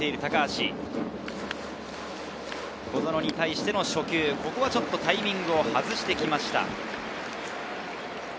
小園に対しての初球、タイミングを外してきました。